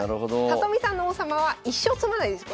里見さんの王様は一生詰まないです